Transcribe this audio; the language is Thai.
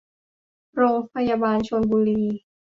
โรงพยาบาลชลบุรี